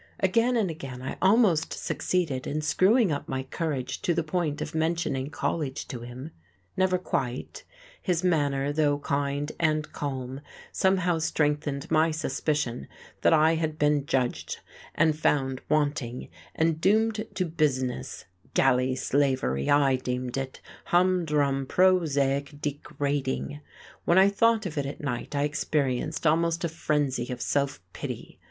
Again and again I almost succeeded in screwing up my courage to the point of mentioning college to him, never quite; his manner, though kind and calm, somehow strengthened my suspicion that I had been judged and found wanting, and doomed to "business": galley slavery, I deemed it, humdrum, prosaic, degrading! When I thought of it at night I experienced almost a frenzy of self pity.